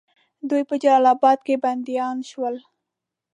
دوی په جلال آباد کې بندیان شول.